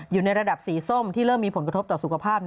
อยู่ในระดับสีส้มที่เริ่มมีผลกระทบต่อสุขภาพ